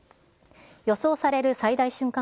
予想される最大瞬間